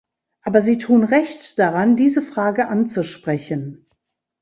Aber Sie tun Recht daran, diese Frage anzusprechen.